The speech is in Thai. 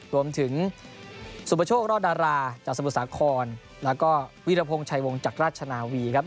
รวมถึงสุปโชครอดดาราจากสมุทรสาครแล้วก็วิรพงศ์ชัยวงจากราชนาวีครับ